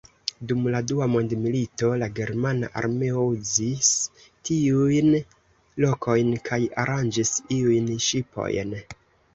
Dum la dua mondmilito, la germana armeo uzis tiujn lokojn kaj aranĝis iujn ŝipojn.